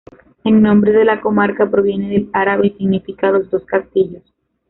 El nombre de la comarca proviene del árabe y significa "los dos castillos".